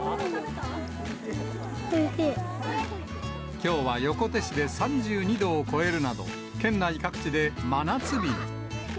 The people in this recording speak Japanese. きょうは横手市で３２度を超えるなど、県内各地で真夏日に。